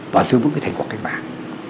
và thư vững cái thành quả khách mạng